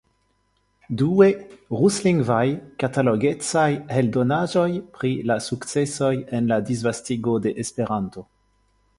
Due, ruslingvaj, katalogecaj eldonaĵoj pri la sukcesoj en la disvastigo de Esperanto.